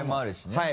はい。